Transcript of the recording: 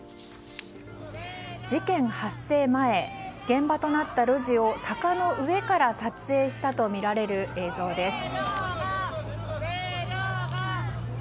事件発生前現場となった路地を坂の上から撮影したとみられる映像です。